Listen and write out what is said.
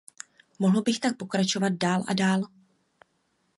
Mohl bych tak pokračovat dál a dál.